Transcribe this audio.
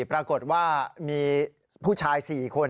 ปรากฏว่ามีผู้ชาย๔คน